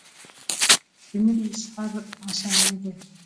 د مینې اظهار اسانه نه دی.